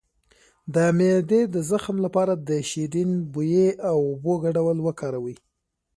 د معدې د زخم لپاره د شیرین بویې او اوبو ګډول وکاروئ